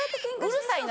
うるさいな！